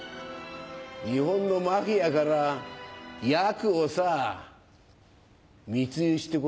日本のマフィアからヤクをさ密輸して来いよ。